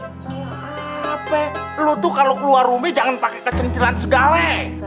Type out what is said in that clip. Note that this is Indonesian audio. salah apa lu tuh kalau keluar rumah jangan pakai kecantilan segala gitu ya